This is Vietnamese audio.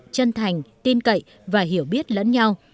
chân thành tin cậy và hiểu biết lẫn nhau